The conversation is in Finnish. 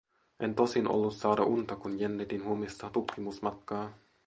En tosin ollut saada unta, kun jännitin huomista tutkimusmatkaa.